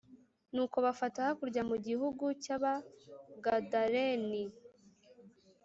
Nuko bafata hakurya mu gihugu cy Abagadareni